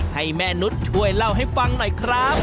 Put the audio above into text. ให้แม่นุษย์ช่วยเล่าให้ฟังหน่อยครับ